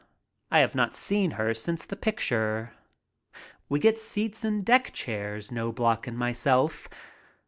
I have not seen her since the picture. We get seats in deck chairs. Knobloch and myself.